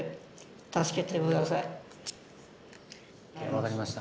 分かりました。